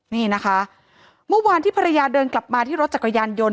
นี่นะคะเมื่อวานที่ภรรยาเดินกลับมาที่รถจักรยานยนต